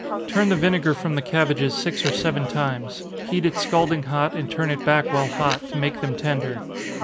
Turn the vinegar from the cabbages six or seven times heat it scalding hot, and turn it back while hot, to make them tender.